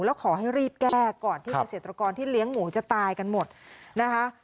แล้วขอให้รีบแก้ก่อนที่เกษตรกรที่เลี้ยงหมูจะตายกันหมดนะคะ